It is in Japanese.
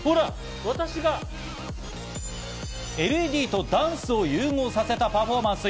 ＬＥＤとダンスを融合させたパフォーマンス。